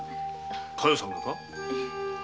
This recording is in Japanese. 加代さんがか？